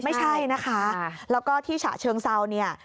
ไม่ใช่นะคะแล้วก็ที่ฉะเชิงเซาเนี่ย